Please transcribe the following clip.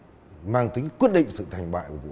đối với vụ án mang tính quyết định sự thành bại của vụ án